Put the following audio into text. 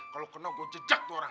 kalau kena gue jejak dua orang